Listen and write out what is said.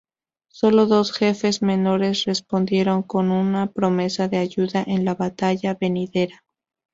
Solo dos jefes menores respondieron con una promesa de ayuda en la batalla venidera.